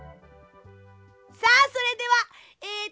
さあそれではえっとね